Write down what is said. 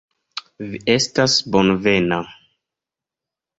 Vi estas bonvena.